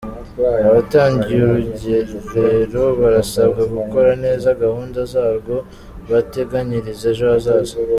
Abatangiye Urugerero barasabwa gukora neza gahunda zarwo bateganyiriza ejo hazaza